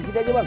sini aja bang